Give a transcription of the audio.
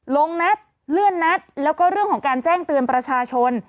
ลงนัดเลื่อนนัดแล้วก็เรื่องของการแจ้งเตือนประชาชน